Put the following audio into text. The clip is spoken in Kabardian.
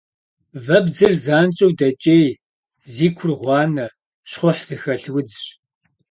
Вэбдзыр занщӏэу дэкӏей, зи кур гъуанэ, щхъухь зыхэлъ удзщ.